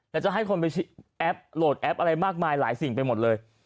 แล้วจะให้คนไปแอปโหลดแอปอะไรมากมายหลายสิ่งไปหมดเลย